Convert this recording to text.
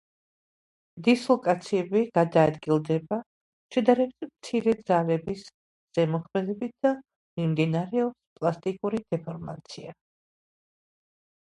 დისლოკაციები გადაადგილდება შედარებით მცირე ძალების ზემოქმედებით და მიმდინარეობს პლასტიკური დეფორმაცია.